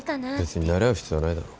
別になれ合う必要はないだろ。